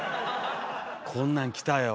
こんなんきたよ！